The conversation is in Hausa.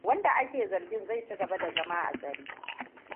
Wanda ake zargin zai ci gaba da zama a tsare.